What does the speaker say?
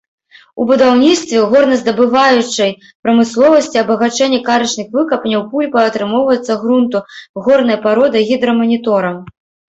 У будаўніцтве, горназдабываючай прамысловасці, абагачэнні карычных выкапняў пульпа атрымоўваецца грунту, горнай пароды гідраманіторам.